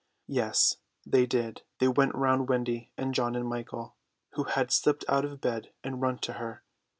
Yes, they did, they went round Wendy and John and Michael, who had slipped out of bed and run to her.